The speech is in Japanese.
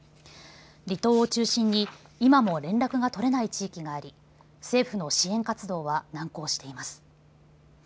離島を中心に今も連絡が取れない地域があり、政府の支援活動は難航しています。